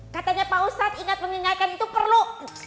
katanya pak ustadz ingat mengingatkan itu perlu